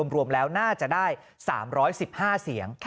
รวมแล้วน่าจะได้๓๑๕เสียง